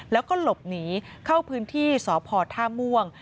แล้วก็หลบหนีเข้าพื้นที่สพท่าม่วง